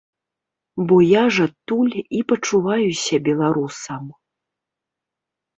Бо я ж адтуль і пачуваюся беларусам.